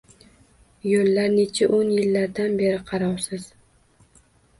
Yo‘llar necha o‘n yillardan beri qarovsiz.